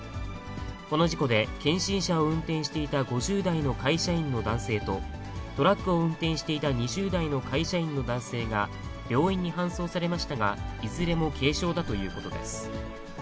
この事故で、検診車を運転していた５０代の会社員の男性と、トラックを運転していた２０代の会社員の男性が病院に搬送されましたが、いずれも軽傷だということです。